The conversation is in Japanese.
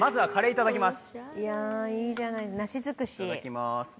いただきます。